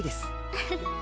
フフフ。